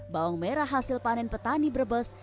bawang merah hasil panen petani brebes